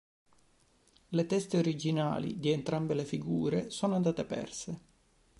Le teste originali di entrambe le figure sono andate perse.